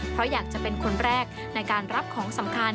เพราะอยากจะเป็นคนแรกในการรับของสำคัญ